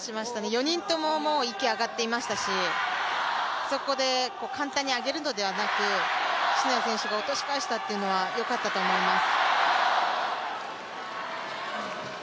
４人とももう、息が上がっていましたし、そこで簡単に上げるのではなく、篠谷選手が落とし返したというのはよかったと思います。